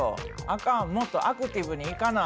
あかんもっとアクティブにいかな。